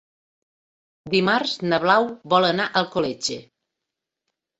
Dimarts na Blau vol anar a Alcoletge.